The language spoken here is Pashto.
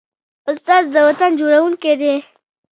استاد د وطن جوړوونکی دی.